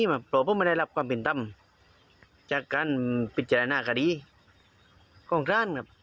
ใครเปิดเพลาสีมาไม่น่ะ